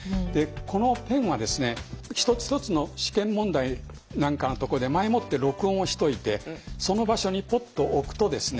このペンはですね一つ一つの試験問題なんかのとこで前もって録音をしといてその場所にポッと置くとですね。